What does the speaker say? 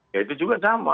ya itu juga sama